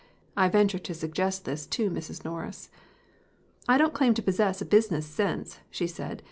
I ventured to suggest this to Mrs. Norris. "I don't claim to possess a business sense," she said.